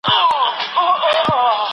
سیاست پوهنه د فکر د ازادۍ لار ده.